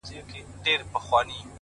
علم د فکرونو نړۍ روښانه کوي,